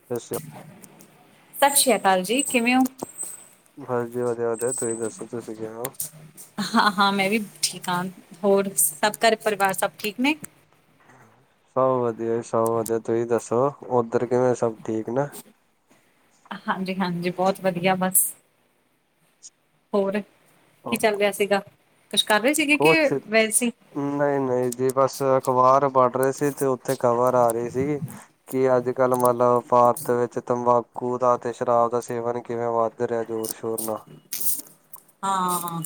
[unintelligible] ਸਤਿ ਸ਼੍ਰੀ ਅਕਾਲ ਜੀ ਕਿਵੇਂ ਓ ਬਸ ਜੀ ਵਧੀਆ ਵਧੀਆ ਤੁਸੀਂ ਦੱਸੋ ਤੁਸੀਂ ਕਿਵੇਂ ਓ ਹਾਂ ਹਾਂ ਮੈਂ ਵੀ ਠੀਕ ਆਂ ਹੋਰ ਸਭ ਘਰੇ ਪਰਿਵਾਰ ਸਭ ਠੀਕ ਨੇ ਸਭ ਵਧੀਆ ਜੀ ਸਭ ਵਧੀਆ ਤੁਹੀ ਦੱਸੋ ਉੱਧਰ ਕਿਵੇਂ ਆ ਸਭ ਠੀਕ ਨੇ ਹਾਂਜੀ ਹਾਂਜੀ ਬਹੁਤ ਵਧੀਆ ਬਸ ਹੋਰ ਕੀ ਚੱਲ ਰਿਹਾ ਸੀਗਾ ਕੁੱਛ ਕਰ ਰਹੇ ਸੀਗੇ ਕੇ ਕੁਛ ਵੈਸੇ ਈ ਨਹੀਂ ਨਹੀਂ ਜੀ ਬਸ ਅਖਬਾਰ ਪੜ ਰਹੇ ਸੀ ਤੇ ਉੱਥੇ ਖਬਰ ਆ ਰਹੀ ਸੀਗੀ ਕੀ ਅੱਜ ਕੱਲ੍ਹ ਮਤਲਬ ਭਾਰਤ ਵਿੱਚ ਤੰਬਾਕੂ ਦਾ ਤੇ ਸ਼ਰਾਬ ਦਾ ਸੇਵਨ ਕਿਵੇਂ ਵੱਧ [unintelligible] ਰਿਆ ਜ਼ੋਰ ਸ਼ੋਰ ਨਾਲ ਹਾਂ ਹਾਂ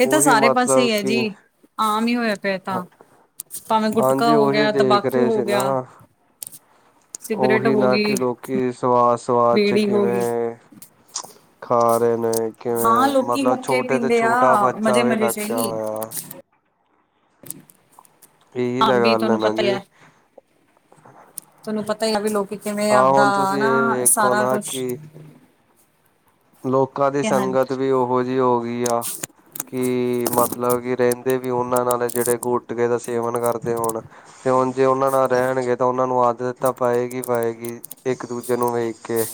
ਇਹ ਤਾਂ ਉਹੀ ਸਾਰੇ ਪਾਸੇ ਹੀ ਮਤਲਬ ਏ ਕਿ ਜੀ ਆਮ ਈ ਹੋਇਆ ਪਿਆ ਤਾਂ ਭਾਵੇਂ ਗੁਟਕਾ ਹਾਂਜੀ ਹੋ ਉਹੀ ਗਿਆ ਦੇਖ ਤੰਬਾਕੂ ਰਹੇ ਹੋ ਸੀ ਗਿਆ। ਨਾ ਸਿਗਰਟ ਉਹੀ ਹੋ ਨਾ ਗਈ ਕਿ ਲੋਕੀ ਸਵਾਦ ਸਵਾਦ ਚ ਬੀੜੀ ਹੋ ਗਈ। ਕਿਵੇਂ ਖਾ ਰਹੇ ਨੇ ਹਾਂ ਕਿਵੇਂ ਲੋਕੀ ਮਤਲਬ ਹੁੱਕੇ ਛੋਟੇ ਤੇ ਪੀਂਦੇ ਆ ਛੋਟਾ ਬੱਚਾ ਮਜ਼ੇ ਵੀ ਮਜ਼ੇ ਚ ਲੱਗਿਆ ਹੀ। ਹੋਇਆ ਇਹੀ ਤਾਂ [unintelligible] ਗੱਲ ਤੁਹਾਨੂੰ ਨਾ ਪਤਾ ਈ ਜੀ ਹੈ ਤੁਹਾਨੂੰ ਪਤਾ ਈ ਹੈ ਬੀ ਲੋਕੀ ਕਿਵੇਂ ਆਹ ਆਪਦਾ ਹੁਣ ਤੁਸੀਂ ਨਾ ਇਹ ਵੇਖੋ ਸਾਰਾ ਨਾ ਕੁੱਛ ਕਿ ਲੋਕਾਂ ਦੀ ਕਿਆ ਹਨ ਸੰਗਤ ਵੀ ਉਹੋ ਜੀ ਹੋ ਗਈ ਆ ਕਿ ਮਤਲਬ ਕਿ ਰਹਿੰਦੇ ਵੀ ਉਹਨਾਂ ਨਾਲ ਜਿਹੜੇ ਗੁਟਕੇ ਦਾ ਸੇਵਨ ਕਰਦੇ ਹੋਣ ਤੇ ਹੁਣ ਜੇ ਉਹਨਾਂ ਨਾਲ ਰਹਿਣਗੇ ਤਾਂ ਉਹਨਾਂ ਨੂੰ ਆਦਤ ਤਾਂ ਪਏਗੀ ਪਏਗੀ ਇੱਕ ਦੂਜੇ ਨੂੰ ਵੇਖ ਕੇ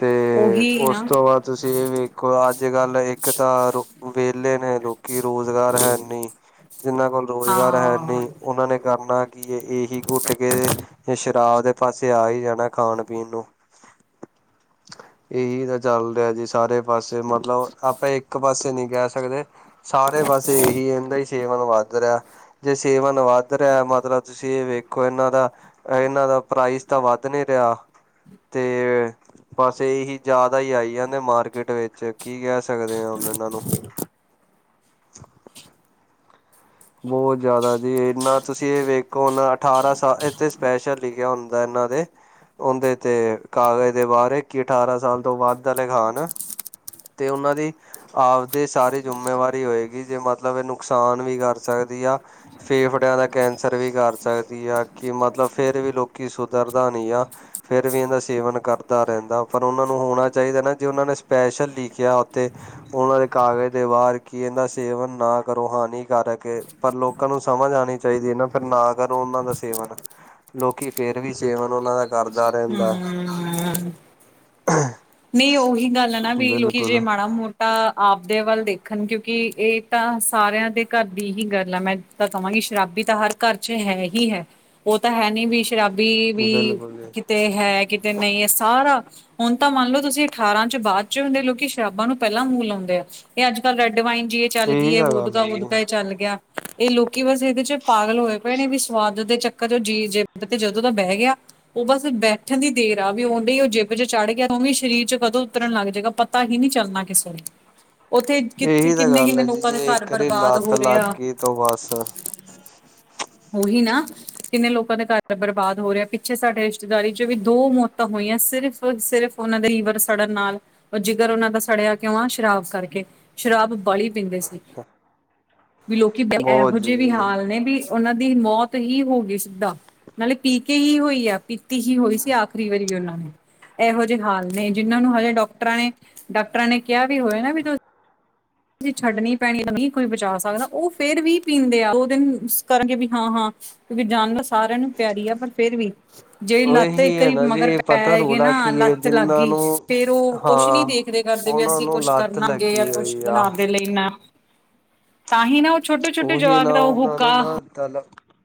ਤੇ ਉਹੀ ਉਸ ਨਾ ਤੋਂ ਬਾਅਦ ਤੁਸੀਂ ਇਹ ਵੇਖੋ ਅੱਜ ਕੱਲ ਇੱਕ ਤਾਂ [unintelligible] ਵਿਹਲੇ ਨੇ ਲੋਕ ਕਿ ਰੋਜ਼ਗਾਰ ਹੈ ਨੀ ਜਿੰਹਨਾਂ ਕੋਲ ਰੋਜ਼ਗਾਰ ਹੈ ਹਾਂ ਨੀ ਉਹਨਾਂ ਨੇ ਕਰਨਾ ਕਿ ਏ ਇਹੀ ਗੁਟਕੇ ਤੇ ਸ਼ਰਾਬ ਦੇ ਪਾਸੇ ਆ ਹੀ ਜਾਣਾ ਖਾਣ ਪੀਣ ਨੂੰ ਇਹੀ ਤਾਂ ਚੱਲਦਾ ਜੀ ਸਾਰੇ ਪਾਸੇ ਮਤਲਬ ਆਪਾਂ ਇੱਕ ਪਾਸੇ ਨੀ ਕਹਿ ਸਕਦੇ। ਸਾਰੇ ਬਸ ਇਹੀ ਇਹਦਾ ਈਂ ਸੇਵਨ ਵੱਧ ਰਿਹਾ। ਜੇ ਸੇਵਨ ਵੱਧ ਰਿਹਾ, ਮਤਲਬ ਤੁਸੀਂ ਇਹ ਵੇਖੋ ਇਹਨਾਂ ਦਾ ਇਹਨਾਂ ਦਾ ਪ੍ਰਾਈਜ਼ ਤਾਂ ਵੱਧ ਨੀ ਰਿਹਾ, ਤੇ ਬਸ ਇਹੀ ਜ਼ਿਆਦਾ ਈ ਆਈ ਜਾਂਦੇ ਮਾਰਕਿਟ ਵਿੱਚ ਕੀ ਕਹਿ ਸਕਦੇ ਆ ਹੁਣ ਇਹਨਾਂ ਨੂੰ ਬਹੁਤ ਜ਼ਿਆਦਾ ਜੀ ਇਨਾ ਤੁਸੀਂ ਇਹ ਵੇਖੋ ਹੁਣ ਅਠਾਰਾਂ ਸਾਲ ਇਥੇ ਸਪੈਸ਼ਲ ਲਿਖਿਆ ਹੁੰਦਾ ਇਹਨਾਂ ਦੇ। ਉਹਦੇ ਤੇ ਕਾਗਜ਼ ਦੇ ਬਾਹਰ ਕਿ ਅਠਾਰਾਂ ਸਾਲ ਤੋਂ ਵੱਧ ਆਲੇ ਖਾਣ ਤੇ ਉਹਨਾਂ ਦੀ, ਆਬਦੀ ਸਾਰੀ ਜਿੰਮੇਵਾਰੀ ਹੋਏਗੀ ਜੇ ਮਤਲਬ ਇਹ ਨੁਕਸਾਨ ਵੀ ਕਰ ਸਕਦੀ ਆ। ਫੇਫੜਿਆਂ ਦਾ ਕੈਂਸਰ ਵੀ ਕਰ ਸਕਦੀ ਆ ਕਿ ਮਤਲਬ ਫਿਰ ਵੀ ਲੋਕੀ ਸੁਧਰਦਾ ਨੀ ਗਾ। ਫਿਰ ਵੀ ਇਹਦਾ ਸੇਵਨ ਕਰਦਾ ਰਹਿੰਦਾ ਪਰ ਉਹਨਾਂ ਨੂੰ ਹੋਣਾ ਚਾਹੀਦਾ ਨਾ ਜੇ ਉਹਨਾਂ ਨੇ ਸਪੈਸ਼ਲ ਲਿਖਿਆ ਉੱਥੇ ਉਹਨਾਂ ਦੇ ਕਾਗਜ਼ ਦੇ ਬਾਰ ਕੀ ਇਹ ਦਾ ਸੇਵਨ ਨਾ ਕਰੋ ਹਾਨੀਕਾਰਕ ਕੇ ਪਰ ਲੋਕਾਂ ਨੂੰ ਸਮਝ ਆਣੀ ਚਾਹੀਦੀ ਆ, ਨਾ ਫਿਰ ਨਾ ਕਰੋ ਉਹਨਾਂ ਦਾ ਸੇਵਨ। ਲੋਕੀ ਫਿਰ ਵੀ ਸੇਵਨ ਉਹਨਾਂ ਦਾ ਕਰਦਾ ਰਹਿੰਦਾ। ਨਈਂ, ਉਹੀ ਗੱਲ ਐ ਨਾ ਵੀ ਲੋਕੀ ਜੇ ਬਿਲਕੁਲ ਮਾੜਾ ਮੋਟ ਤਾਂ ਆਪਦੇ ਵੱਲ ਦੇਖਣ ਕਿਉਂਕਿ ਇਹ ਤਾਂ ਸਾਰਿਆਂ ਦੇ ਘਰ ਦੀ ਹੀ ਗੱਲ ਐ ਮੈਂ ਤਾਂ ਕਵਾਂਗੀ, ਸ਼ਰਾਬੀ ਤਾਂ ਹਰ ਘਰ ਚ ਹੈਗੀ ਹੈ ਉਹ ਤਾਂ ਹੈ ਨੀ ਵੀ ਸ਼ਰਾਬੀ ਵੀ, ਬਿਲਕੁਲ ਜੀ ਕਿਤੇ ਹੈ ਕਿਤੇ ਨਹੀਂ ਇਹ ਸਾਰਾ ਹੁਣ ਤਾਂ ਮੰਨ ਲਓ ਤੁਸੀਂ ਅਠਾਰਾਂ ਚ ਬਾਦ ਚ ਆਉਂਦੇ ਆ ਲੋਕੀ ਸ਼ਰਾਬਾਂ ਨੂੰ ਪਹਿਲਾਂ ਮੂੰਹ ਲਾਉਂਦੇ ਆ, ਇਹ ਅੱਜ ਕੱਲ੍ਹ ਰੈਡ ਵਾਈਨ ਜੀ। ਚੱਲ ਇਹੀ ਗਈ ਤਾਂ ਗੱਲ ਹੈ ਮੋਦਕੀ ਜੀ ਮੋਦਕਾ ਈ ਚੱਲ ਗਿਆ। ਇਹ ਲੋਕੀ ਬਸ ਇਹਦੇ 'ਚ ਪਾਗਲ ਹੋਏ ਪਏ ਨੇ ਵੀ ਸਵਾਦ ਦੇ ਚੱਕਰ 'ਚ ਜੀ ਤੇ ਜਦੋਂ ਦਾ ਬਹਿ ਗਿਆ। ਉਹ ਬਸ ਬੈਠਣ ਦੀ ਦੇਰ ਆ ਵੀ ਉਹਦੇ ਈ ਉਹ ਜਿੱਬ 'ਚ ਚੜ੍ਹ ਗਿਆ। ਕਿਉਂਕਿ ਸਰੀਰ 'ਚ ਕਦੋਂ ਉਤਰਨ ਲੱਗ ਜਾਏਗਾ ਪਤਾ ਹੀ ਨੀ ਚੱਲਣਾ ਕਿਸੇ ਨੂੰ ਉੱਥੇ ਕਿੱਥੇ ਇਹੀ ਤਾਂ ਕਿੰਨੇ ਹੀ ਗੱਲ ਹੈ ਜੀ ਲੋਕਾਂ ਦੇ ਜੇ ਇੱਕ ਵਾਰੀ ਬਰਬਾਦ ਲੱਤ ਹੋ ਲੱਗ ਰਿਹਾ ਆ। ਗਈ ਤੋਂ ਬਸ [inaudible] ਉਹੀ ਨਾ ਕਿੰਨੇ ਲੋਕਾਂ ਦੇ ਘਰ ਬਰਬਾਦ ਹੋ ਰਿਹਾ ਆ ਪਿੱਛੇ ਸਾਡੇ ਰਿਸ਼ਤੇਦਾਰੀ 'ਚ ਵੀ ਦੋ ਮੋਤਾਂ ਤਾਂ ਹੋਈ ਆ ਸਿਰਫ ਸਿਰਫ ਉਹਨਾਂ ਦੇ ਲਿਵਰ ਸੜਨ ਨਾਲ, ਉਹ ਜਿਗਰ ਉਹਨਾਂ ਸੜਿਆ ਕਿਉਂ ਆ ਸ਼ਰਾਬ ਕਰਕੇ ਸ਼ਰਾਬ ਵਾ ਪੀਦੇ ਸੀ, ਵੀ ਲੋਕੀ ਬਹੁਤ ਇਹੋ ਜਿਹੇ ਵੀ ਜੀ ਹਾਲ ਨੇ ਵੀ ਉਹਨਾਂ ਦੀ ਮੌਤ ਹੀ ਹੋ ਗਈ ਸਿੱਧਾ, ਨਾਲੇ ਪੀਕੇ ਹੀ ਹੋਈ ਆ। ਤੇ ਹੀ ਹੋਈ ਸੀ ਆਖਰੀ ਵਾਰੀ, ਉਹਨਾ ਨੇ ਐਹੋ ਹਾਲ ਨੇ ਜਿਹਨਾਂ ਨੂੰ ਹਜੇ ਡਾਕਟਰਾਂ ਨੇ ਡਾਕਟਰਾਂ ਨੇ ਕਿਹਾ ਵੀ ਹੋਇਆ ਨਾ ਵੀ ਛੱਡਣੀ ਪੈਣੀ ਤਾਂ ਨੀ ਕੋਈ ਬਚਾ ਸਕਦਾ ਉਹ ਫੇਰ ਵੀ ਪੀਂਦੇ ਆ ਦੋ ਦਿਨ ਮਿਸ ਕਰਗੇ ਵੀ ਹਾਂ, ਹਾਂ। ਵੀ [unintelligible] ਸਾਰਿਆਂ ਨੂੰ ਪੈਰੀ ਆ, ਪਰ ਫਿਰ ਵੀ ਜਿਹੜੀ ਲੱਤ ਉਹੀ ਇੱਕ ਹੈ ਆਰੀ ਨਾ ਮਗਰ ਜੀ ਪਤਾ ਪੈ ਗਏ ਰੌਲਾ ਨਾ ਕੀ ਹੈ ਲੱਤ ਲੱਗ ਜਿੰਨਾਂ ਗਈ। ਨੂੰ ਫੇਰ ਉਹ ਕੁਛ ਨੀ ਹਾਂ ਦੇਖਦੇ ਕਰਦੇ ਵੀ ਉਹਨਾਂ ਅਸੀਂ ਨੂੰ ਕੁਛ ਲੱਤ ਕਰਨਾਗੇ ਜਾਂ ਲੱਗੀ ਕੁੱਛ ਹੋਈ ਆ ਬਣਾ ਦੇ ਲਈ ਨਾ, ਤਾਂਹੀ ਉਹ ਛੋਟੇ-ਛੋਟੇ ਉਹੀ ਜਵਾਕ ਨਾ ਦਾ ਉਹ ਉਹਨਾਂ ਹੁੱਕ ਨੂੰ ਨਾ ਤਲ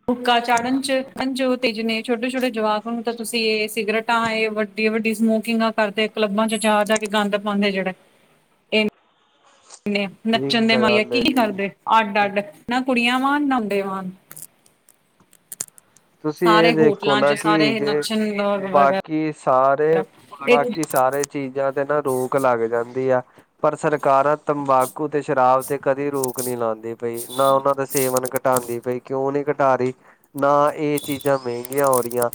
ਹੁੱਕਾ ਚਾੜਨ 'ਚ [unintelligible] ਤੇਜ ਨੇ ਛੋਟੇ-ਛੋਟੇ ਜਵਾਕ ਤਾਂ ਤੁਸੀਂ ਇਹ ਸਿਗਰਟ ਤਾਂ ਇਹ ਵੱਡੀ-ਵੱਡੀ ਸਮੋਕਿੰਗਾਂ ਕਰਦੇ ਕਲੱਬਾਂ 'ਚ ਜਾ-ਜਾ ਕੇ ਗੰਦ ਪਾਦੇ ਜਿਹੜੇ ਨੇ ਨੱਚਣ ਠੀਕ ਦੇ ਤਾਂ ਮਾਈਆ ਗੱਲ ਕੀ ਹੈ ਜੀ ਕਰਦੇ ਅੱਡ-ਅੱਡ ਨਾ ਕੁੜੀਆਂ ਵਾਂਗ ਨਾ ਮੁੰਡੇ ਵਾਂਗ ਤੁਸੀਂ ਇਹ ਸਾਰੇ ਦੇਖੋ ਹੋਟਲਾਂ ਚ ਨਾ ਕਿ ਸਾਰੇ ਜੇ ਨੱਚਣ ਵਗੈਰਾ ਬਾਕੀ ਸਾਰੇ, ਇਹ ਬਾਕੀ ਸਾਰੇ ਚੀਜ਼ਾਂ ਤੇ ਨਾ ਰੋਕ ਲੱਗ ਜਾਂਦੀ ਆ, ਪਰ ਸਰਕਾਰਾਂ ਤੰਬਾਕੂ ਤੇ ਸ਼ਰਾਬ ਤੇ ਕਦੇ ਰੋਕ ਨੀ ਲਾਉਂਦੀ ਪਈ ਨਾ ਉਹਨਾਂ ਦਾ ਸੇਵਨ ਘਟਾਦੀ ਪਈ। ਕਿਉਂ ਨੀ ਘਟਾ ਰੀ, ਨਾ ਇਹ ਚੀਜ਼ਾਂ ਮਹਿੰਗੀਆਂ ਹੋ ਰੀਆਂ।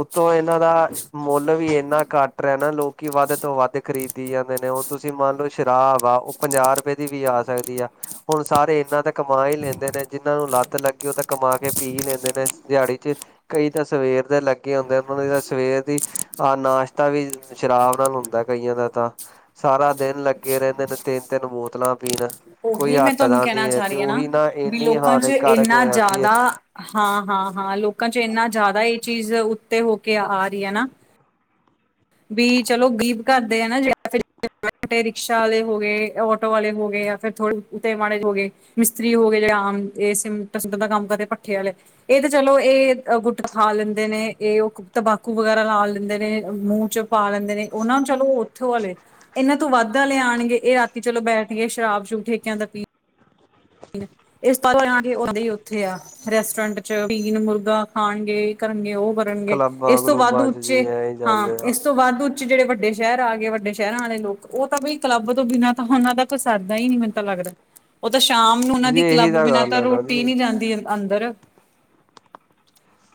ਉੱਤੋ ਇਹਨਾਂ ਦਾ, ਮੁੱਲ ਵੀ ਇੰਨਾ ਘੱਟ ਰਿਹਾ ਨਾ ਲੋਕੀ ਵੱਧ ਤੋਂ ਵੱਧ ਖਰੀਦ ਜਾਂਦੇ ਨੇ, ਹੁਣ ਤੁਸੀਂ ਮੰਨਲੋ ਸ਼ਰਾਬ ਆ ਉਹ ਪੰਜਾਹ ਰੁਪਏ ਦੀ ਵੀ ਆ ਸਕਦੀ ਆ। ਹੁਣ ਸਾਰੇ ਇਹਨਾਂ ਤਾਂ ਕਮਾ ਈ ਲੈਂਦੇ ਨੇ, ਜਿਹਨਾਂ ਨੂੰ ਲੱਤ ਲੱਗੀ ਉਹ ਤਾਂ ਕਮਾਕੇ ਪੀ ਈ ਲੇਂਦੇ ਨੇ। ਦਿਹਾੜੀ ਤੇ ਕਈ ਤਾਂ ਸਵੇਰ ਦੇ ਲੱਗੇ ਹੁੰਦੇ, ਉਹਨਾਂ ਦੀ ਤਾਂ ਸਵੇਰ ਦੀ ਆਹ ਨਾਸ਼ਤਾ ਵੀ ਸ਼ਰਾਬ ਨਾਲ ਹੁੰਦਾ ਕਈਆਂ ਦਾ, ਤਾਂ। ਸਾਰਾ ਦਿਨ ਲੱਗੇ ਰਹਿੰਦੇ ਨੇ, ਤਿੰਨ-ਤਿੰਨ ਬੋਤਲਾਂ ਪੀਣ। ਕੋਈ ਓਹੀ ਮੈਂ ਤੁਹਾਨੂੰ ਹਟਦਾ ਨੀ ਕਹਿਣਾ ਹੈ ਚਾਹ ਤੇ ਰਹੀ ਆ ਨਾ, ਉਹੀ ਵੀ ਇੰਨੀ ਲੋਕਾਂ 'ਚ ਹਾਨੀਕਾਰਕ ਇੰਨਾ ਹੋ ਜਾਂਦੀ ਹੈ ਜ਼ਿਆਦਾ ਹਾਂ-ਹਾਂ-ਹਾਂ, ਲੋਕਾਂ 'ਚ ਇੰਨਾ ਜ਼ਿਆਦਾ ਇਹ ਚੀਜ਼ ਉੱਤੇ ਹੋਕੇ ਆ ਰਹੀ ਆ ਨਾ। ਵੀ ਚਲੋ ਗਰੀਬ ਘਰਦੇ ਆ [unintelligible] ਨਾ ਜੇ ਫੇਰ ਰਿਕਸ਼ਾ ਵਾਲੇ ਹੋਗੇ, ਆਟੋ ਵਾਲੇ ਹੋਗੇ, ਆ ਫਿਰ ਥੋੜੇ ਤੇ ਮਾੜੇ ਹੋ ਗਏ, ਮਿਸਤਰੀ ਹੋਗੇ, ਆਮ ਏ ਸਿਮੰਟ ਸਿਮੁੰਟਾ ਦਾ ਕੰਮ ਕਰਦੇ ਭੱਠੇ ਆਲੇ। ਇਹ ਤੇ ਚਲੋ ਇਹ ਗੁੱਟ ਖਾ ਲੈਂਦੇ ਨੇ, ਇਹ ਉਹ ਤੰਬਾਕੂ ਵਗੈਰਾ ਲਾ ਲੈਂਦੇ ਨੇ। ਮੂੰਹ 'ਚ ਪਾ ਲੈਂਦੇ ਨੇ, ਉਹਨਾਂ ਨੂੰ ਚਲੋ ਉੱਥੋ ਆਲੇ ਇਹਨਾਂ ਤੋਂ ਵੱਧ ਆਲੇ ਆਣਗੇ, ਇਹ ਰਾਤੀ ਚਲੋ ਬੈਠਕੇ ਸ਼ਰਾਬ-ਸ਼ਰੂਬ ਠੇਕਿਆਂ ਤ ਪੀ ਤਦ ਈ ਉਥੇ ਆ। ਰੈਸਟੋਰੈਂਟ'ਚ, ਪੀਨ ਮੁਰਗਾ ਖਾਣਗੇ, ਏ ਕਰਨਗੇ, ਉਹ ਕਰਨਗੇ, ਕਲੱਬਾਂ ਇਸ ਤੋਂ ਵੱਧ ਕਲੂਬਾਂ ਚ ਜੀ ਉੱਚੇ ਐ ਹੀ ਹਾਂ, ਜਾਂਦੇ ਆ ਇਸ ਤੋਂ ਵੱਧ ਉੱਚ ਵੱਡੇ ਸ਼ਹਿਰ ਆਗੇ, ਵੱਡੇ ਸ਼ਹਿਰਾਂ ਆਲੇ ਲੋਕ ਉਹ ਬਈ ਕਲੱਬ ਤੋਂ ਬਿਨਾਂ ਤਾਂ ਉਹਨਾਂ ਦਾ ਉਹ ਤਾਂ ਸਰਦਾ ਈ ਨਹੀਂ ਮੈਨੂੰ ਤਾ ਲੱਗਦਾ, ਉਹ ਤਾਂ ਸ਼ਾਮ ਨੂੰ ਉਹਨਾ ਜੀ ਦੀ ਇਹੀ ਕਲੱਬ ਬਿਨਾ ਗੱਲ ਤਾਂ ਹੈ ਨਾ ਰੋਟੀ ਜੀ ਨੀ ਜਾਂਦੀ। ਅੰਦਰ,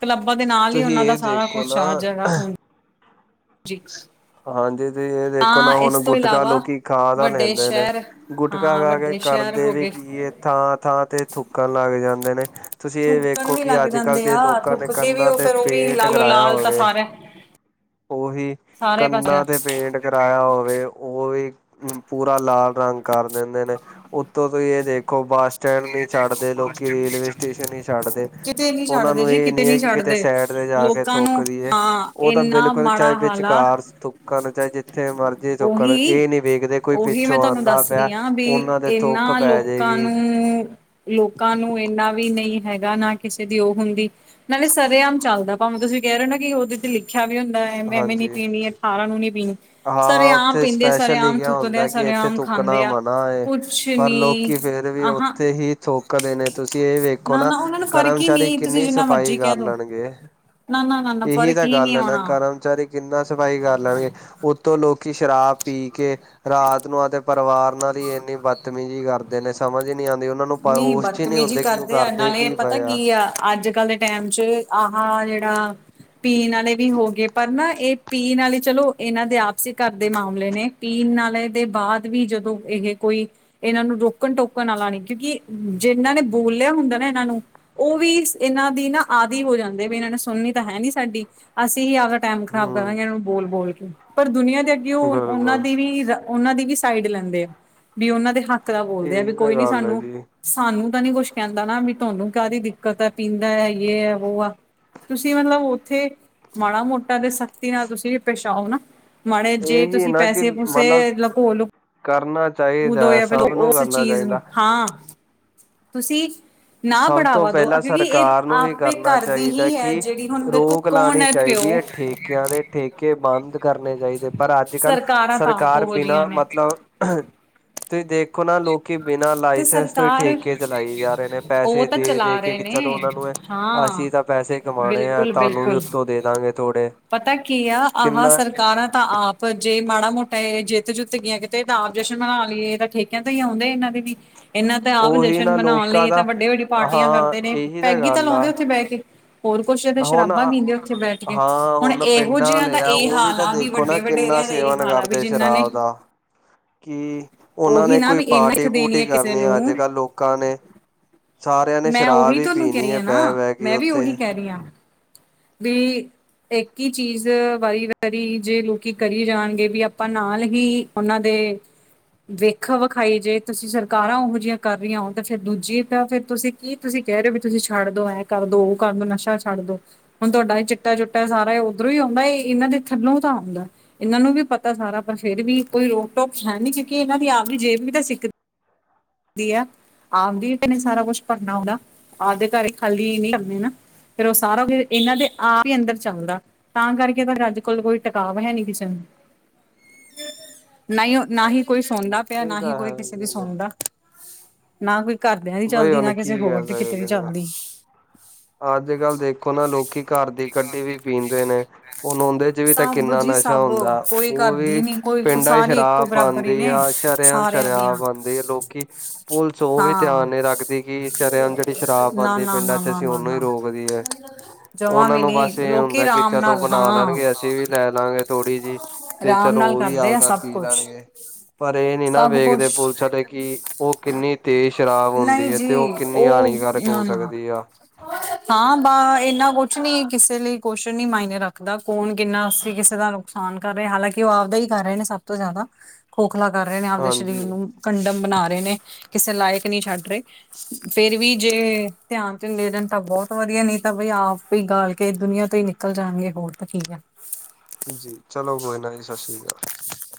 ਕਲੱਬਾਂ ਦੇ ਨਾਲ ਈ ਤੁਸੀਂ ਉਹਨਾਂ ਦਾ ਇਹ ਸਾਰਾ ਦੇਖੋ ਕੁਛ ਆ ਨਾ ਜਗ੍ਹਾ ਜਿਕਸ ਹਾਂਜੀ, ਤੁਸੀਂ ਏ ਦੇਖੋ ਨਾ ਹੁਣ ਗੁਟਕਾ ਇਲਾਵਾ ਲੋਕੀ ਖਾ ਤਾ ਵੱਡੇ ਲੈਂਦੇ ਨੇ, ਸ਼ਹਿਰ ਗੁਟ ਗੁਟਕਾ ਹਾਂ ਖਾਕੇ ਵੱਡੇ ਸ਼ਹਿਰ ਕਰਦੇ ਹੋ ਤੇ ਗਏ ਕੀ ਏ, ਇਹ ਥਾਂ-ਥਾਂ ਤੇ ਥੁੱਕਣ ਲੱਗ ਜਾਂਦੇ ਨੇ। ਤੁਸੀਂ ਇਹ ਥੁੱਕਣ ਵੇਖੋ ਵੀ ਕਿ, ਲੱਗ ਅੱਜ-ਕੱਲ‌ ਜਾਂਦੇ ਜੇ ਆ ਲੋਕਾਂ ਨੇ ਥੁੱਕ ਕੇ ਵੀ ਕੰਧਾਂ ਉਹ ਤੇ ਫੇਰ ਉਹ ਵੀ ਪੇਂਟ ਲਾਲੋ ਕਰਾਇਆ ਲਾਲ ਤਾਂ ਹੋਵੇ। ਸਾਰਾ ਉਹੀ, ਸਾਰੇ ਪਾਸੇ ਕੰਧਾਂ ਤੇ ਪੇਂਟ ਕਿਰਾਇਆ ਹੋਵੇ, ਉਹ ਵੀ ਪੂਰਾ ਲਾਲ ਰੰਗ ਕਰ ਦਿੰਦੇ ਨੇ। ਤੁਸੀਂ ਇਹ ਦੇਖੋ ਬਸ ਸਟੈਂਡ ਨਹੀਂ ਛੱਡਦੇ, ਲੋਕੀ ਰੇਲਵੇ ਸਟੇਸ਼ਨ ਨਹੀਂ ਛੱਡਦੇ, ਕਿਤੇ ਨੀ ਉਹਨਾਂ ਛੱਡਦੇ ਨੂੰ ਜੀ ਇਹ ਨਹੀਂ ਹੈ ਨੀ ਕਿ ਕਿਤੇ ਛੱਡਦੇ ਸਾਇਡ ਜਾਕੇ ਲੋਕਾਂ ਨੂੰ ਥੁਕਦੀ ਏ, ਹਾਂ ਉਹ ਤਾਂ ਬਿਲ ਇੰਨਾ ਣ ਮਾੜਾ ਚਾਹੇ ਹਾਲ ਆ ਵਿਚਕਾਰ ਥੁੱਕਣ, ਚਾਹੇ ਜਿੱਥੇ ਮਰਜ਼ੀ ਥੁੱਕਣ, ਇਹ ਨੀ ਵੇਖਦੇ ਕੋਈ ਓਹੀ ਮੈਂ ਪਿੱਛੋਂ ਤੁਹਾਨੂੰ ਆਉਂਦਾ ਦੱਸ ਪਿਆ ਰਹੀ ਆਂ, ਵੀ ਉਹਨਾਂ ਦੇ ਥੁੱਕ ਇਹਨਾਂ ਪੈ ਲੋਕਾਂ ਜਾਏਗੀ ਨੂੰ ਲੋਕਾਂ ਨੂੰ ਇੰਨਾ ਵੀ ਨਹੀਂ ਹੈਗਾ ਨਾ ਕਿਸੇ ਦੀ ਉਹ ਹੁੰਦੀ, ਨਾਲੇ ਸਰੇਆਮ ਚੱਲਦਾ ਭਾਵੇਂ ਤੁਸੀਂ ਕਹਿ ਰਹੇ ਓ ਨਾ ਕਿ ਉਹਦੇ ਤੇ ਲਿਖ ਲਿਖਿਆ ਵੀ ਹੁੰਦਾ ਏ, ਐਵੇਂ ਨੀ ਹਾਂਜੀ। ਪੀਣੀ ਏ ਅਠਾਰਾਂ ਨੂੰ ਨੀ ਪੀਣੀ ਹਾਂ, ਸਰੇਆਮ ਉੱਥੇ ਪੀਂਦੇ ਆ ਸਪੈਸ਼ਲ ਸਰੇਆਮ ਲਿਖਿਆ ਥੁੱਕਦੇ ਆ ਹੁੰਦਾ ਕਿ ਇੱਥੇ ਸਰੇਆਮ ਥੁੱਕਣਾ ਖਾਂਦੇ ਆ ਮਨਾ ਏ। ਕੁਛ ਪਰ ਨੀ ਲੋਕੀ ਫੇਰ ਵੀ ਆਹਾਂ ਓਥੇ ਹੀ ਥੁੱਕਦੇ ਦੇ ਨੇ, ਤੁਸੀਂ ਇਹ ਵੇਖੋ ਨਾ ਉਹਨਾਂ ਨੂੰ ਫ਼ਰਕ ਹੀ ਕਰਮਚਾਰੀ ਨਹੀਂ ਤੁਸੀਂ ਕਿੰਨੀ ਜਿੰਨਾ ਸਫ਼ਾਈ ਮਰਜ਼ੀ ਕਹਿ ਕਰ ਦੋ ਲੈਣਗੇ? ਨਾ ਨਾ ਨਾ ਨਾ ਇਹੀ ਫ਼ਰਕ ਤਾ ਹੀ ਨਹੀਂ ਗੱਲ ਐ ਨਾ ਆਉਣਾ ਕਰਮਚਾਰੀ ਕਿੰਨਾ ਸਫ਼ਾਈ ਕਰ ਲੈਣਗੇ, ਉੱਤੋਂ ਲੋਕੀ ਸ਼ਰਾਬ ਪੀਕੇ, ਰਾਤ ਨੂੰ ਆਪ ਦੇ ਪਰਿਵਾਰ ਨਾਲ ਈ ਇੰਨੀ ਬਦਤਮੀਜ਼ੀ ਕਰਦੇ ਨੇ, ਸਮਝ ਈ ਨਹੀਂ ਆਂਦੀ ਉਹ ਨਹੀਂ ਬਦਤਮੀਜ਼ੀ ਕਰਦੇ ਆ, ਨਾਲੇ ਪਤਾ ਕੀ ਆ ਅੱਜ-ਕੱਲ ਡੈਮ'ਚ ਆਹ ਜਿਹੜਾ ਪੀਣ ਵਾਲੇ ਵੀ ਹੋ ਗਏ, ਪਰ ਨਾ ਇਹ ਪੀਣ ਵਾਲੇ ਚਲੋ ਇਹਨਾਂ ਦੇ ਆਪਸੀ ਘਰ ਦੇ ਮਾਮਲੇ ਨੇ। ਪੀਣ ਵਾਲੇ ਦੇ ਬਾਅਦ ਵੀ ਜਦੋਂ ਇਹ ਕੋਈ ਇਹਨਾਂ ਨੂੰ ਰੋਕਣ ਟੋਕਣ ਵਾਲਾ ਨਹੀਂ। ਕਿਉਂਕਿ, ਜਿਨਾਂ ਨੇ ਬੋਲਿਆ ਹੁੰਦਾ ਨਾ ਇਹਨਾਂ ਨੂੰ ਉਹ ਵੀ ਇਹਨਾਂ ਦੀ ਨਾ ਆਦਿ ਹੋ ਜਾਂਦੇ ਵੀ ਇਹਨਾਂ ਨੇ ਸੁਣਨੀ ਤਾਂ ਹੈ ਨੀ ਸਾਡੀ, ਅਸੀਂ ਅਗਰ ਟਾਈਮ ਖ਼ਰਾਬ ਹਮ ਕਰਾਂਗੇ ਇਹਨਾਂ ਨੂੰ ਬੋਲ-ਬੋਲਕੇ ਪਰ ਦੁਨੀਆਂ ਦੇ ਅੱਗੇ ਉਹ ਉਹਨਾਂ ਬਿਲਕੁਲ ਦੀ ਵੀ ਉਹਨਾਂ ਦੀ ਵੀ ਸਾਈਡ ਲੈਂਦੇ, ਵੀ ਉਹਨਾਂ ਦੇ ਹੱਕ ਦਾ ਬੋਲਦੇ ਆ ਵੀ ਇਹੀ ਤਾਂ ਕੋਈ ਨੀ ਗੱਲ ਹੈ ਸਾਨੂੰ ਜੀ ਸਾਨੂੰ ਤਾਂ ਨੀ ਕੁਛ ਕਹਿੰਦਾ ਨਾ, ਵੀ ਤਹਾਨੂੰ ਕਾਹਦੀ ਦਿੱਕਤ ਹੈ ਪੀਂਦਾ ਯੇ ਏ ਵੋ ਆ ਤੁਸੀਂ ਮਤਲਬ ਉੱਥੇ, ਮਾੜਾ ਮੋਟਾ ਤੇ ਸਖਤੀ ਨਾਲ ਤੁਸੀਂ ਵੀ ਪੇਸ਼ ਆਓ ਨਾ। ਮਾੜੇ ਜੇ ਇਹੀ ਤੁਸੀਂ ਨਾ ਕਿ ਪੈਸੇ ਪੂਸੇ ਮਤਲਬ ਲਕੋ ਲੋਂ ਕਰਨਾ ਦੋ ਚਾਹੀਦਾ ਫੇਰ ਸਭ ਨੂੰ ਉਸ ਕਰਨਾ ਚੀਜ਼ ਨੂੰ, ਚਾਹੀਦਾ ਹਾਂ ਤੁਸੀਂ ਨਾ ਸਭ ਤੋਂ ਬੜਾਵਾ ਦੋ, ਪਹਿਲਾਂ ਕਿਉਂਕਿ ਇਹ ਸਰਕਾਰ ਨੂੰ ਵੀ ਆਪੇ ਕਰਨਾ ਘਰ ਦੀ ਚਾਹੀਦਾ ਹੀ ਹੈ ਕਿ ਜਿਹੜੀ ਹੁਣ ਦੇਖੋ ਰੋਕ ਕੌਣ ਲਾਉਣੀ ਐ ਚਾਹੀਦੀ ਪਿਓ ਹੈ ਠੇਕਿਆਂ ਦੇ ਠੇਕੇ ਬੰਦ ਕਰਨੇ ਚਾਹੀਦੇ, ਪਰ ਅੱਜ ਕੱਲ੍ਹ ਸਰਕਾਰਾਂ ਤਾਂ ਆਪ ਸਰਕਾਰ ਉਹੋ ਜਿਹੀਆਂ ਬਿਨਾਂ ਨੇ ਮਤਲਬ ਤੁਸੀਂ ਦੇਖੋ ਨਾ, ਲੋਕੀ ਬਿਨਾਂ ਤੇ ਲਾਇਸੈਂਸ ਤੋਂ ਠੇਕੇ ਕੇ ਸਰਕਾਰ ਚਲਾਈ ਜਾ ਰਹੇ ਨੇ। ਉਹ ਪੈਸੇ ਤਾਂ ਦੇ -ਦੇ ਚਲਾ ਕੇ ਰਹੇ ਚਲੋ ਨੇ ਓਨਾਂ ਨੂੰ ਐ, ਹਾਂ ਅਸੀਂ ਤਾਂ ਪੈਸੇ ਕਮਾਣੇ ਆ ਬਿਲਕੁਲ ਤੁਹਾਨੂੰ ਵੀ ਬਿਲਕੁਲ ਉੱਤੋਂ ਦੇ ਦਾਂਗੇ। ਥੋੜੇ। ਪਤਾ ਕੀ ਆ, ਆਹ ਸਰ ਕਾਰਾ ਤਾਂ ਆਪ, ਜੇ ਮਾੜਾ ਮੋਟਾ ਜਿੱਤ ਜੁਤ ਗਈਆਂ ਕਿਤੇ ਤਾਂ ਆਪ ਜਸ਼ਨ ਮਨਾ ਲਈਏ ਤਾਂ ਠੇਕੇ ਕਿਆ ਤੋਂ ਹੀ ਆਉਂਦੇ ਇਹਨਾਂ ਦੇ ਵੀ। ਇਹਨਾਂ ਤਾਂ ਆਪ ਉਹੀ ਜਸ਼ਨ ਨਾ ਮਨਾਉਣ ਲਈ ਲੋਕਾਂ ਇਹ ਤਾਂ ਦਾ ਵੱਡੀ- ਵੱਡੀ ਪਾਰਟੀਆਂ ਹਾਂ ਕਰਦੇ ਨੇ, ਇਹੀ ਪੈਗ ਹੀ ਤਾਂ ਗੱਲ ਲਾਉਂਦੇ ਆ ਉੱਥੇ ਬਹਿ ਕੇ। ਹੋਰ ਕੁਛ ਇਹ ਹੁਣ ਸ਼ਰਾਬਾ ਪੀਂਦੇ ਉੱਥੇ ਬੈਠ ਕੇ, ਹਾਂ ਹੁਣ ਇਹੋ ਪਿੰਡਾਂ ਜਿਹਾ ਦਾ ਲਿਆ ਇਹ ਉਹ ਹਾਲ ਤਾਂ ਆ ਵੀ ਦੇਖੋ ਨਾ ਵੱਡੇ ਵਡੇਰਿਆਂ ਦੇ ਇਹੀ ਹਾਲਾ ਵੀ ਜਿਨਾਂ ਨੇ ਕੀ ਉਹਨਾਂ ਉਹੀ ਨੇ ਨਾ ਕੋਈ ਵੀ ਇੰਨਾ ਪਾਰਟੀ ਦੇਣੀ ਪੂਰਟੀ ਹੈ ਕਿਸੇ ਕਰਨੀ ਐ ਨੂੰ ਅੱਜ- ਕੱਲ੍ਹ ਲੋਕਾਂ ਨੇ। ਸਾਰਿਆਂ ਨੇ ਮੈਂ ਸ਼ਰਾਬ ਉਹੀ ਵੀ ਪੀਣੀ ਹੈ ਬਹਿ- ਬਹਿ ਕੇ ਉੱਥੇ। ਸਰੀਆਂ [unintelligible] ਵੀ ਇੱਕ ਹੀ ਚੀਜ਼ ਵਾਰੀ- ਵਾਰੀ ਜੇ ਲੋਕੀ ਕਰੀ ਜਾਣਗੇ ਵੀ ਆਪਾਂ ਨਾਲ ਹੀ ਉਹਨਾਂ ਦੇ ਵੇਖਾ ਵਿਖਾਈ ਜੇ ਤੁਸੀਂ ਸਰਕਾਰਾਂ ਇਹੋ ਜਿਹੀਆਂ ਕਰ ਹੋ ਤਾਂ ਫਿਰ ਦੂਜੀ ਤਾਂ ਫਿਰ ਤੁਸੀਂ ਕੀ ਤੁਸੀਂ ਕਹਿ ਰਹੇ ਹੋ ਵੀ, ਤੁਸੀਂ ਛੱਡ ਦੋ, ਐਂ ਕਰਦੋ, ਉਹ ਕਰ ਦੋ ਨਸ਼ਾ ਛੱਡ ਦੋ। ਹੁਣ ਤੁਹਾਡਾ ਚਿੱਟਾ ਚੁੱਟਾ ਸਾਰਾ ਉਧਰੋਂ ਹੀ ਆਉਂਦਾ, ਇਹਨਾਂ ਦੇ ਥੱਲੋਂ ਤਾਂ ਆਉਂਦਾ। ਇਹਨਾਂ ਨੂੰ ਵੀ ਪਤਾ ਸਾਰਾ ਪਰ ਫੇਰ ਵੀ ਕੋਈ ਰੋਕ- ਟੋਕ ਹੈਨੀ, ਕਿਉਂਕਿ ਇਹਨਾਂ ਦੀ ਆਪ ਵੀ ਜੇਬ ਵੀ ਤਾਂ ਸਿੱਕ ਦੀ ਐ। ਆਪਦੀ ਨੇ ਸਾਰਾ ਕੁਛ ਭਰਨਾ ਆਉਂਦਾ, ਆਪਦੇ ਘਰ ਖਾਲੀ ਨੀੇ ਫੇਰ ਉਹ ਸਾਰਾ ਕੁ ਇਹਨਾਂ ਦੇ ਆਪ ਈ ਅੰਦਰ ਚੱਲਦਾ, ਤਾਂ ਕਰਕੇ ਅੱਜ ਕੋਲ ਕੋਈ ਟਿਕਾਵ ਹੈ ਨੀ ਕਿਸੇ ਨੂੰ। ਨਾਈਓ ਨਾ ਹੀ ਕੋਈ ਸੁਣਦਾ ਪਿਆ ਇਹ ਨਾ ਹੀ ਤਾਂ ਕੋਈ ਹੈ ਕਿਸੇ ਦੀ ਸੁਣਦਾ ਨਾ ਕੋਈ ਘਰਦਿਆਂ ਦੀ ਬਈ ਚੱਲਦੀ, ਨਾ ਹੁਣ ਕਿਸੇ ਕੀ ਹੋਰ ਕਹਿ ਦੇ ਕਿਤੇ ਵੀ ਸਕਦੇ ਆ ਚੱਲਦੀ। ਅੱਜ -ਕੱਲ ਦੇਖ ਦੇਖੋ ਨਾ ਲੋਕੀ ਘਰ ਦੀ ਕੱਢੀ ਵੀ ਪੀਂਦੇ ਨੇ, ਹੁਣ ਓੰਦੇ ਚ ਵੀ ਤੇ ਸਭ ਕਿੰਨਾ ਜੀ ਨਸ਼ਾ ਸਭ ਹੁੰਦਾ। ਕੋਈ ਉਹ ਕਰਦੀ ਵੀ ਨੀ ਕੋਈ ਪਿੰਡਾਂ ਦੀ ਸਾਰੇ ਇੱਕੋ ਸ਼ਰਾਬ ਬਰਾਬਰ ਹੀ ਬਣਦੀ ਨੇ ਆ, ਸ਼ਰੇਆਮ ਸਾਰਿਆਂ ਦੀਆਂ ਸ਼ਰਾਬ ਬਣਦੀ ਆ, ਲੋਕੀ ਪੁਲਿਸ ਉਹ ਵੀ ਧਿਆਨ ਹਾਂ ਨੀ ਰੱਖਦੀ ਗੀ, ਸ਼ਰੇਆਮ ਜਿਹੜੀ ਸ਼ਰਾਬ ਨਾ ਬਣਦੀ ਨਾ ਪਿੰਡਾਂ ਨਾ ਚ ਨਾ ਤੇ ਨਾ ਉਹਨੂੰ ਈ ਨਾ ਰੋਕਦੀ ਐ। ਜਮਾਂ ਉਹਨਾਂ ਵੀ ਨੂੰ ਨੀ ਬਸ ਇਹ ਲੋਕੀ ਹੁੰਦਾ ਕਿ ਆਰਾਮ ਚਲੋ ਨਾਲ ਹਾਂ ਬਣਾ ਲੈਣਗੇ, ਅਸੀਂ ਵੀ ਲੈ ਲਾਗੇ ਥੋੜੀ ਜਿਹੀ। ਤੇ ਆਰਾਮ ਚਲੋ ਨਾਲ ਉਹ ਵੀ ਕਰਦੇ ਆ ਆਵਦਾ ਸਭ ਪੀ ਕੁਛ ਲੈਣਗੇ। ਪਰ ਇਹ ਨੀ ਨਾ ਸਭ ਵੇਖਦੇ ਕੁਛ ਪੁਲਿਸ ਆ ਤੇ ਕਿ ਉਹ ਕਿੰਨੀ ਤੇਜ਼ ਸ਼ਰਾਬ ਨਹੀਂ ਹੁੰਦੀ ਐ ਜੀ ਤੇ ਉਹ ਕਿੰਨੀ ਉਹ ਹਾਨੀਕਾਰ ਕ ਨਾ ਹੋ ਨਾ ਸਕਦੀ ਆ। ਹਾਂ ਬਾਹ ਇੰਨਾ ਕੁਛ ਨੀ ਕਿਸੇ ਲਈ ਕੁਛ ਨੀ ਮਾਇਨੇ ਰੱਖਦਾ, ਕੌਣ ਕਿੰਨਾ ਅਸੀਂ ਕਿਸੇ ਦਾ ਨੁਕਸਾਨ ਕਰ ਰਹੇ, ਹਾਲਾਂਕਿ ਉਹ ਆਪਦਾ ਹੀ ਕਰ ਰਹੇ ਨੇ ਸਭ ਤੋਂ ਜ਼ਿਆਦਾ, ਖੋਖਲਾ ਕਰ ਰਹੇ ਨੇ ਆਪਦੇ ਸਰੀਰ ਹਾਂਜੀ ਨੂੰ। ਕੰਡਮ ਬਣਾ ਰਹੇ ਨੇ, ਕਿਸੇ ਲਾਇਕ ਨਹੀਂ ਛੱਡ ਰਹੇ। ਫੇਰ ਵੀ, ਜੇ ਧਿਆਨ 'ਚ ਦੇ ਦੇਣ ਤਾਂ ਬਹੁਤ ਵਧੀਆ ਨੀ ਤਾਂ ਬਈ ਆਪ ਹੀ ਗਾਲ ਕੇ, ਦੁਨੀਆਂ ਤੋਂ ਹੀ ਨਿਕਲ ਜਾਣਗੇ ਹੋਰ ਤਾਂ ਕੀ ਆ। ਜੀ ਚਲੋ ਕੋਈ ਨਾ, ਜੀ ਸ਼ਸੀ ਸ਼੍ਰੀ ਅਕਾਲ।